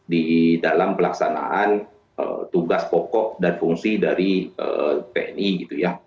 di dalam pelaksanaan tugas pokok dan fungsi dari tni gitu ya